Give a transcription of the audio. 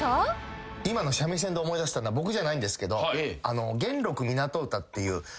今の三味線で思い出した僕じゃないんですけど。